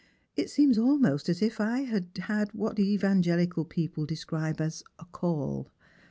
It seems almost as if I had had what evangelical people describe as ' a call.'